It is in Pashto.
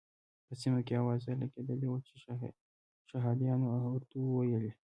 په سیمه کې اوازه لګېدلې وه چې شهادیانو اردو ویلې.